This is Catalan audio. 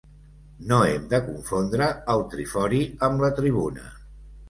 No hem de confondre el trifori amb la tribuna.